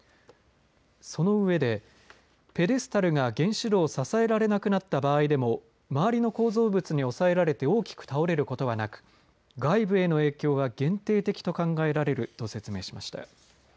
その上でペデスタルが原子炉を支えられなくなった場合でも周りの構造物に抑えられて大きく倒れることはなく外部への影響は限定的と考えられると説明しました。